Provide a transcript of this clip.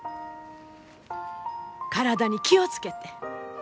体に気を付けて。